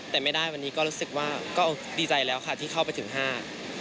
แต่ไม่ได้วันนี้ก็รู้สึกว่าก็ดีใจแล้วค่ะที่เข้าไปถึงห้าง